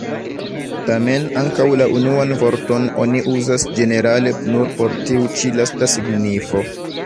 Tamen, ankaŭ la unuan vorton oni uzas ĝenerale nur por tiu ĉi lasta signifo.